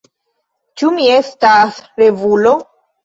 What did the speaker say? Ĉu mi estas revulo?